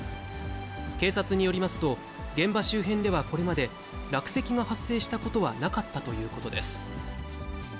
警察によりますと、現場周辺ではこれまで、落石が発生したことはなかったということです。